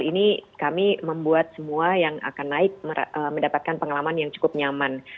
ini kami membuat semua yang akan naik mendapatkan pengalaman yang cukup nyaman